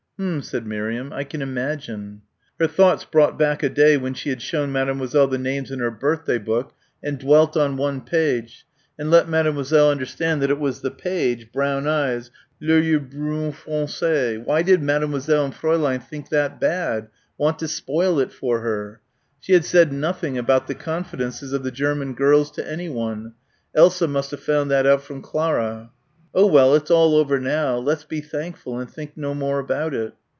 "H'm," said Miriam, "I can imagine " Her thoughts brought back a day when she had shown Mademoiselle the names in her birthday book and dwelt on one page and let Mademoiselle understand that it was the page brown eyes les yeux brunes foncés. Why did Mademoiselle and Fräulein think that bad want to spoil it for her? She had said nothing about the confidences of the German girls to anyone. Elsa must have found that out from Clara. "Oh, well it's all over now. Let's be thankful and think no more about it."